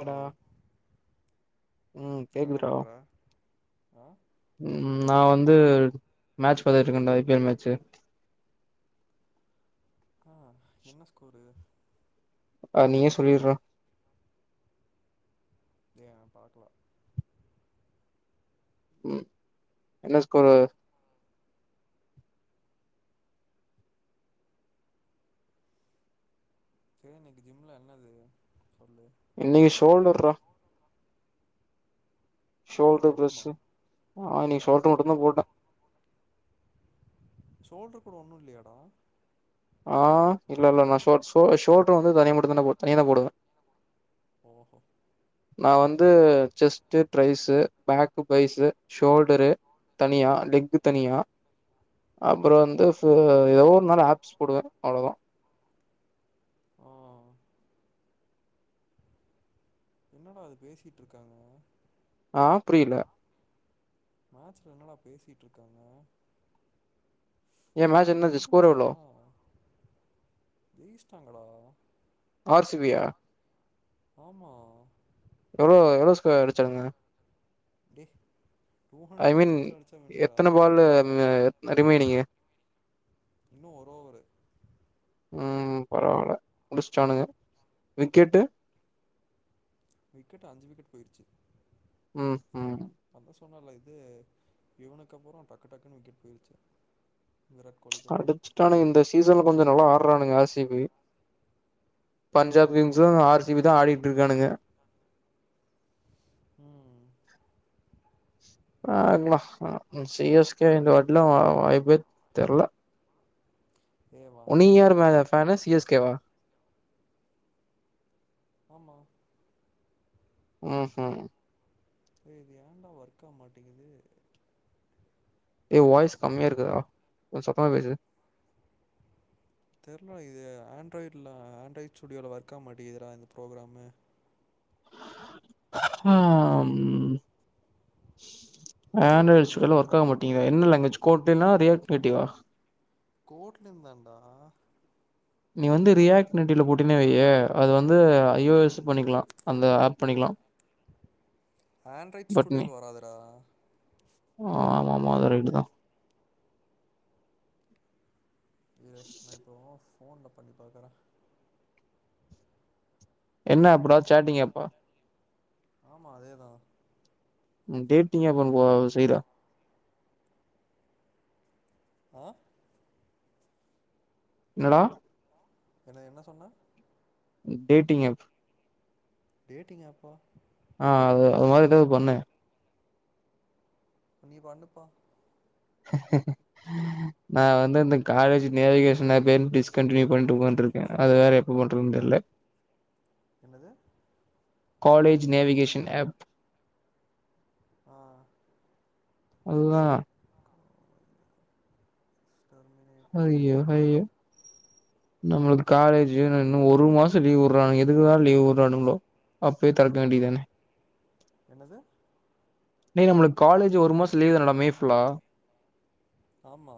வாடா ஹலோ ம் என்னடா கேக்குதுடா பண்ற ஆ ம் நா வந்து மேட்ச் பாத்துட்டு இருக்க ஐ பி எல் மேட்ச்சு ம் என்ன ஸ்கோரு அ நீயே சொல்லிட்றா ஏ பாக்கலா ம் என்ன ஸ்கோரு சரி இன்னைக்கு ஜிம்ல என்னது சொல்லு இன்னைக்கு ஷோல்ர்ரா ஷோல்டர் பிரஸ்ஸு ஆ இன்னிக்கு ஷோல்டரு மட்டுதா போட்ட ஷோல்டர் கூட ஒண்ணும் இல்லையாடா? ஆஹ் இல்ல இல்ல நான் ஷோ ஷோ ஷோல்டர் வந்து தனியா மட்டும் தான் போ தனியா தான் போடுவேன். ஓஹோ நான் வந்து chest triceps back biceps shoulder தனியா லெக்கு தனியா அப்புறம் வந்து ஏதோ ஒரு நால ஆப்ஸ் போடுவேன் அவ்ளவுதான் ஆ என்னடா அது பேசிட்டு இருக்காங்க ஆ புரியல மேட்சில என்னடா பேசிட்டு இருக்காங்க ஏ மேட்ச் என்னது ஸ்கோர் முடிஞ்ச்சா எவ்ளோ தீஸ் டாங்களா? ஆர் சி பி யா? ஆமா? எவ்ளோ எவ்ளோ ஸ்கோர் அடிச்சாங்க டேய் ஐ மீன் எத்தன பாலு அ எத் ரிமைனிங்கு இன்னோ ஒரு ஓவரு. ம் பரவல முடிஷ்டானுங்க விக்கெட்டு விக்கெட் அஞ்சு விக்கெட் போயிருச்சு உம் உம் அதா சொன்னேல இது இவனுக்கு அப்புறோ டக்கு டக்குனு விக்கெட் போயிருச்சே அடுத்துட்டான இந்த சீசன்ல கொஞ்சோ நல்லா போரானுங்க ஆர் சி பி பஞ்சாப் ஆமா கிங்ஸும் ஆர் சி பிதா ஆடிட்டுருக்கானுங்க. [inaudible] பாக்லா அ சி எஸ் கே இந்த வாட்டிலா வா வாய்ப்பே தெர்ல ஏ உ நீ வந்துரும்டா யார் மே சி எஸ் கேவா ஆமா ம் ம் எ இது ஏண்டா ஒர்க்காவ் மாட்டேங்குது ஏ ஊ வாய்ஸ் கம்மியா இருக்குறா கொஞ் சத்தமா பேசு தெர்ல்லா இது ஆண்ட்ராய்ட்ல ஆண்ட்ராய் ஸ்டுடியோல ஒர்க்கா மாட்டிகிதுரா இந்த ப்ரோகிராமு ம் இரு ஆண்ட்ராய்டட நான் ஸ்டுடியோல ஃபோன்ல ஒர்க் ஆவ் கனெக்ட் பண்றேன் மாட்டிங்கு அப்டியே என்ன லாங்வேஜ் கோட் டென்னா [unintelligible] மேட்டிவ்வா கோட்லென்தாண்டா நீ வந்து ரியாக்ட் நெட்டில போட்டுனே வையே அது வந்து ஐயோயெஸ்ஸு பண்ணிக்லா அந்த ஆப் பண்ணிக்குலா ஆண்ட்ராய்ட் ஸ்டுடியோல வராதுறா அ ஆமாமா அது ரைய்ட்டு தா இரு [unintelligible] ஃபோன்ல பண்ணி பாக்குற என்ன ப்ரோ சாட்டிங் எப்பா ஆமா அதே தா நீ டேடிங்கா பண் போவ செய்ற அ இன்னடா என்ன என்ன சொன்ன டேட்டிங் ஆப் டேட்டிங் ஆப்பா அ அது அது மாரி எதாது பண்ணே நீ பண்ணுப்பா நா வந்து அந்த காலேஜ் நேவிகேஷுன் ஆப்பே டிஸ்கண்டினியூ பண்ட்டு உகாந்டுருக்கே அது வேற எப்ப பண்றதுன் தெர்ல என்னது காலேஜ் நேவிகேஷன் ஆப் அ அதுதா டெர்மினேட்டிங் யூசர். நம்ளுக்கு காலேஜு இன்னு ஒரு மாச லீவ் உட்றாங் எதுக்குதா லீவ் உட்றானுங்ளோ அப்யே தெறக்க வேண்டிதான என்னது டே நம்ளுக் காலேஜு ஒரு மாசு லீவ்தானடா மே ஃபுல்லா ஆமா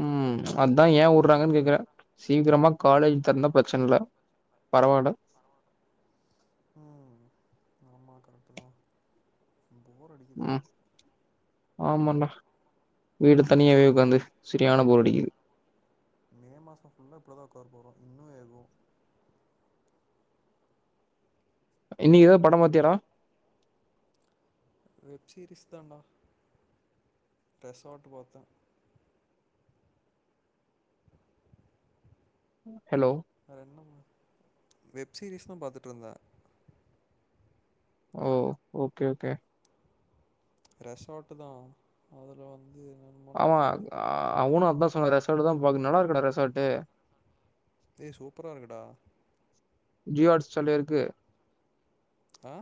ம் அத்தா ஏ உட்றாங்கன் கேக்குற சீக்கிரமா காலேஜ் தற்ந்தா ப்ரெச்சன் இல்ல பரவால ம் ஆமா கரெட்டுதா போர் அடிக்குது ஆனா ம் ஆமாண்டா வீட்ல தனியாவே உக்காந்து செரியான போர் அடிக்கிது மே மாசோ ஃபுல்ல இப்டுதா உக்கார போறோ இன்னு ஏருவோ இன்னைக்கு எதா படோ பாத்தியாடா வெப் சீரீஸ் தாண்டா ரெசாட்டு பாத்த ஹலோ வேற என்னபண்ண வெப் சீரீஸ் தா பாத்துட் இருந்த ஓ ஓகே ஓகே ரெசார்ட்டு தா அதுல வந் ஆமா அ அவுனு அத்தா சொன்னா ரெஸ் டடுதா பாக்குன் நல்லா இருக்குடா ரெஸாட்டு ஏ சூப்பரா இருக்குடா ஜியோ ஆட்ஸ்சாட்லயா இருக்கு ஆஹ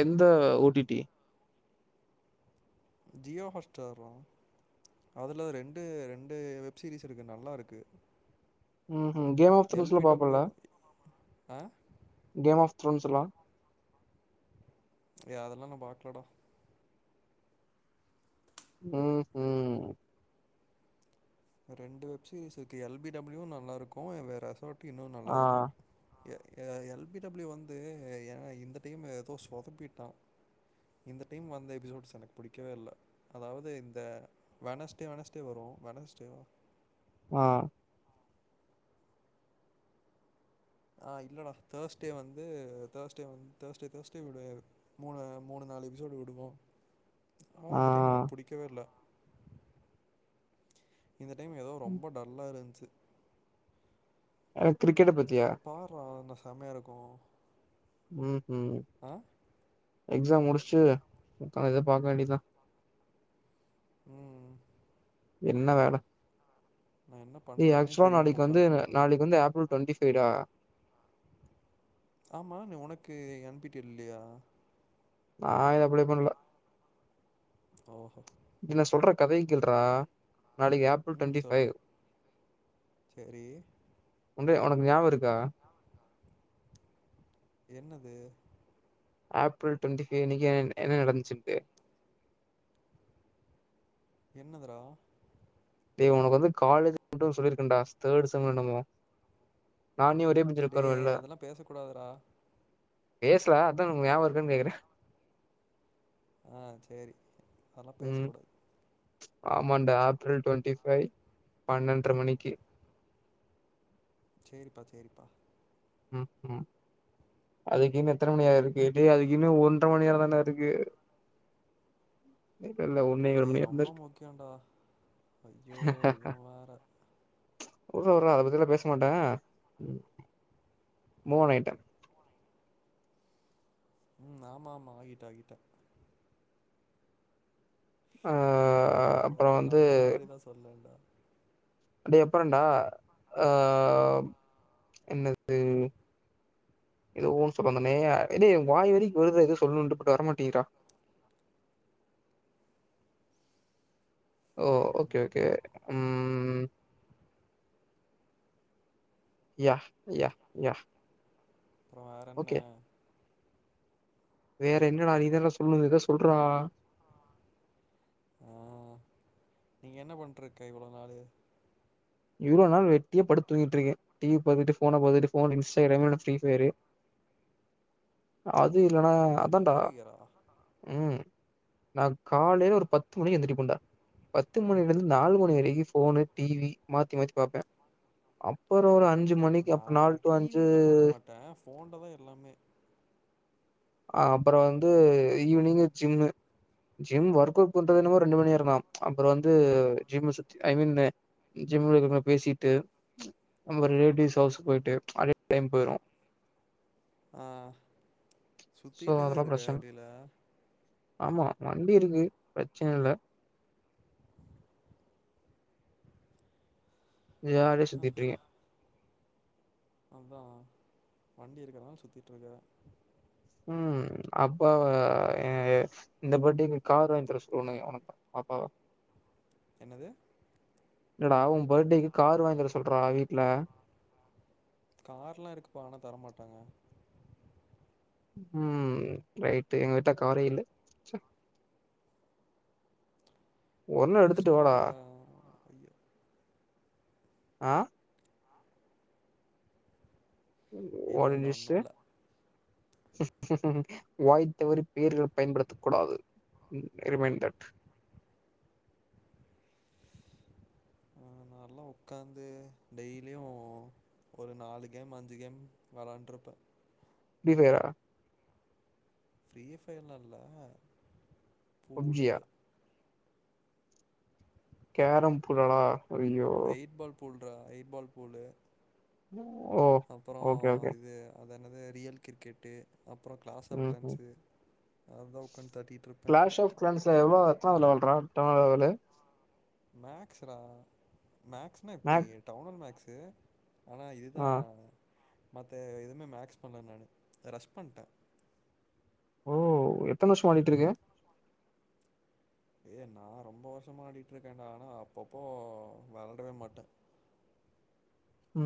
எந்த O T T Jio Hotstar. அதுல ரெண்டு ரெண்டு வெப் சீரிஸ் இருக்கு நல்லா இருக்கு. உம் உம் கேம் ஆஃப் எல் தன்ஸ்ல பி பாப்பலா டபிள்யூ ஆ கேம் ஆஃப் [unintelligible] ஏ அதெல்லாம் நான் பாக்கலடா. உஹம் உஹம் ரெண்டு வெப் சீரிஸ் இருக்கு எல் பி டபள்யும் நல்லா இருக்கும் ரெஸார்ட் இன்னும் நல்லா ஆ இருக்கும். எ எல் பி டபிள்யூ வந்து ஏ இந்த டைம்மு ஏதோ சொதப்பிட்டான். இந்த டைம் வந்த எபிசோட்ஸ் எனக்கு பிடிக்கவே இல்ல. அதாவது இந்த வெனஸ்டே வெனஸ்டே வரும் வெனஸ்டே [inaudible] ஆஹ் ஆஹ் இல்லடா தேர்ஸ்டே வந்து தேர்ஸ்டே வந்து தேர்ஸ்டே தேர்ஸ்ட்டே விடு மூணு மூணு நாலு எபிசோடு விடுவோம் ஆ இந்த டைம்மு எனக்கு புடிக்கவேல்ல இந்த டைம் ஏதோ ரொம்ப டல்லா இருந்ச்சு. எனக்கு கிரிக்கெட்ட பத்தியா செம்மையா இருக்கும் உம் உம் ஆ எக்ஸாம் முடிச்டு இத பாக்க வேண்டியதா உம் என்ன வேள நான் என்ன ஏ பண்ணுறேன்னே ஆக்சுவலா தெரியாமல் நாளைக்கு வந்து உட்காண்ட்ருக்கேன் நாளைக்கு வந்து ஏப்ரல் டுவெண்டி ஃபைவ் டா ஆமா நீ உனக்கு என் பி டீ ல் இல்லையா. நா இத ஆப்பிளை பண்ணல. ஓஹ இநா சொல்ற கதைய கேள்றா. நாளைக்கு ஏப்ரல் ம் டுவண்ட்டி சொல்லு ஃபைவ் சரி உன்றைய உனக்கு ஞாபம் இருக்கா. என்னது ஏப்ரல் டுவெண்டி ஃபைவ் அன்னிக்கு என்ன நடந்துச்சிப்பே என்னதுடா டேய் உனக்கு வந்து காலேஜ் மட்டும் சொல்லியிருக்கன்டா தேர்ட் செம்மோ நம்ம டேய் அதெல்லாம் பேச கூடாதுடா. பேசல அதா உனக்கு ஞாபகம் இருக்கானு கேக்குறன். ஆஹ் சரி நல்லாம் ம் பேசக்கூடாது ஆமாண்டா ஆஃப்டர் டுவெண்டி ஃபைவ் பன்னெண்ட்ர மணிக்கு [inaudible] ம்ம் அதுக்குன்னு எத்தனை மணிவரைக்கு கேட்டு அதுக்குமே ஒன்றரை மணிநேரம் தாண்டா இருக்கு இல்ல ஒன்னே கால் மணி ஏய் நேரம் தான் இருக்கு ரொம்ப முக்கியண்டா அய்யோ இவன் வேற விட்றா விட்றா அதை பத்தி எல்லாம் பேச மாட்டேன் உம் ஆமா ஆமா [unintelligible] ஆ ஐயோ அப்றோ ஏதாவது வந்து நம்புற மாதிரிதான் சொல்லேன்டா அடேய் அப்பா டா ஆஹ் என்னது ஏதோ ஒண்ணு சொல்லனுமே டேய் வாய் வரைக்கும் வருது எதோ சொல்லணும்ட்டு இப்பவரமாட்டேங்குதுடா ஓ ம் ஓகே ஓகே உம் யா யா யா அப்புறம் வேற என்ன ஓகே வேற என்னடா நீ தான்டா சொல்லணும் இத சொல்றா ஆஹ் நீங்க என்ன பண்ணிட்டிருக்க இவ்வளவு நாளு இவ்ளவு நாள் வெட்டியா படுத்து தூங்கிட்டு இருக்கேன் டிவி பார்த்துட்டு போனை பார்த்துட்டு போ இன்ஸடாகிராம் இல்லேனா ஃப்ரீ அதான்டா ஃபயரா உம் நான் காலையில ஒரு பத்து மணிக்கு எந்திருப்பேண்டா பத்து மணியிலிருந்து நாலு மணி வரைக்கும் போனு டிவி மாத்தி மாத்தி பாப்பேன் அப்புறம் ஒரு அஞ்சு- நான் டிவியெல்லாம் பார்க்க மாட்டேன் போன்லதான் எல்லாமே அஹ் அப்புறம் வந்து evening gym gym work out பண்றது என்னமோ ரெண்டு மணிேநேரம்தான் அப்புறம் வந்து ஜிம் சுத்தி ஐ மீன் ஜிம்ல இருக்கவங்க பேசிட்டு அப்புறம் ரிலேட்டிவ்ஸ் ஹவுஸ் போயிட்டு அப்படியே டைம் போயிரும் ஆஹ் ஸோ சுத்திட்டேதான் அதெல்லாம் இருக்கே பிரச்சனை. வெளியிலே ஆமா வண்டி இருக்கு பிரச்சனை இல்லே ஜாலியா சுத்திட்டு இருக்கேன் [inaudible] உம் அப்பாவ இந்த பர்த்டேக்கு கார் வாங்கி தர சொல்லணும் உனக்கு அப்பாவை [unintelligible] என்னடா உன் பர்த்டேக்கு கார் வாங்கி தர சொல்றா வீட்டுல கார் எல்லாம் இருக்குப்பா ஆனா தரமாட்டாங்க உம் ரைட்டு் எங்க வீட்ல காரே இல்ல ஒரு நாள் எடுத்துட்டு கிருஷ்ணா தான் ஆஹ [unintelligible] [unintelligible] இல்லை இல்லை ஒன்றும் இல்லை [unintelligible] பேர்கள் பயன்படுத்த கூடாது ரிமைன் தட் ஆஹ் நல்லா உக்காந்து டெய்லியும் ஒரு நாலு கேம் அஞ்சு கேம் விளையாண்டு இருப்பேன் [unintelligible] ஃப்ரீ ஃபயர்லாம் இல்ல பப்ஜியா [unintelligible] கேரம் புல்லாலா எய்ட் பால் புல் ஐ பால் புல்லு ஓ ஓகே ஓகே இது அது என்னது ரியல் கிரிக்கெட்டு அப்பற கிளாஸ் ஆஃப் ம் ம் கிளன்ஸு அத உட்காந்து தட்டிட்டு இருப்பே எத்துனாவது லெவல் ரா லெவலு மேக்ஸ்ரா மேக்ஸ்னா எப்புடி மேக் டவுனல் மேக்ஸ் ஆனா இதுதா ஆ மத்த எதுவுமே மேக்ஸ் பண்ணலே நானு ரஷ் பண்டே ஓ எத்தன வருஷமா ஆடிட்டு இருக்க ஏ நா ரொம்ப வருஷமா ஆடிட்டு இருக்கேடா ஆனா அப்பப்போ விளையாடவே மாட்டே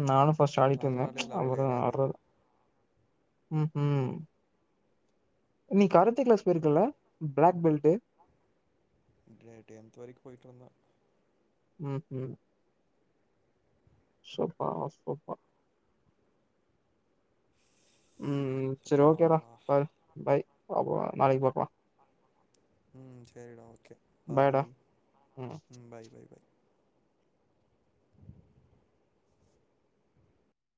நானு ஃபஸ்ட் ஆடிட்டுருந்தே ம் அதனாலே ச் லெவல் அப்பறோ ஏறாது ஆடுறதில்லே உஹும் உம் நீ காரத்தே கிளாஸ் போயிருக்கல்ல பிளாக் பெல்டு டெ டென்து வரைக்கு போய்ட்டு இருந்தே உம் உம் சோபா சோபா உம் சரி சப்பா ஓகேடா பாரு பாய் அப்றோ நாளைக்கு பாக்கலா உம் சேரி டா ஓகே பாய்டா பாய் ம் பாய் பாய் பாய்